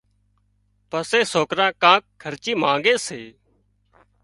پسي سوڪران ڪانڪ خرچي مانڳي سي